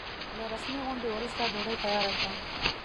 له رسمي غونډې وروسته ډوډۍ تياره شوه.